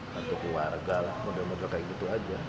lalu keluarga lah mudah mudahan kayak gitu aja